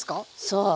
そう。